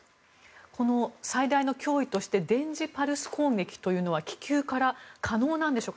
この最大の脅威として電磁パルス攻撃というのは気球から可能なんでしょうか。